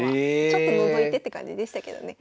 ちょっとのぞいてって感じでしたけどね。